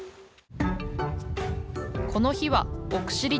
この日は奥尻島へ。